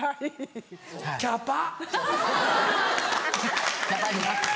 キャッパ。